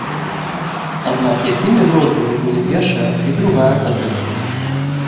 Аднак якімі рознымі былі першая і другая кадэнцыя.